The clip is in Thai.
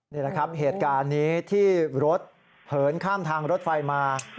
นี่แหละครับเหตุการณ์นี้ที่รถเหินข้ามทางรถไฟมา